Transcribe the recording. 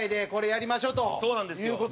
そうなんですよ。